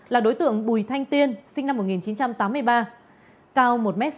là đối tượng bùi thanh tiên sinh năm một nghìn chín trăm tám mươi ba